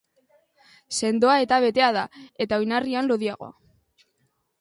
Sendoa eta betea da, eta oinarrian lodiagoa.